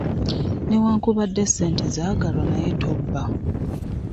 Newankubadde sente zagalwa, naye tobba.